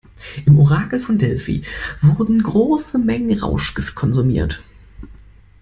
Im Orakel von Delphi wurden große Mengen Rauschgift konsumiert.